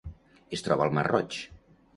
Es troba al Mar Roig.